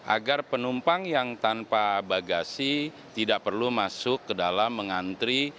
agar penumpang yang tanpa bagasi tidak perlu masuk ke dalam mengantri